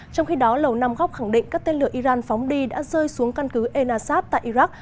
trong khi đó lầu năm góc khẳng định các tên lửa iran phóng đi đã rơi xuống căn cứ enasat tại iraq